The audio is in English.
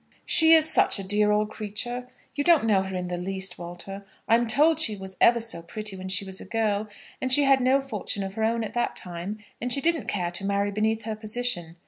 "She is such a dear old creature! You don't know her in the least, Walter. I am told she was ever so pretty when she was a girl; but she had no fortune of her own at that time, and she didn't care to marry beneath her position.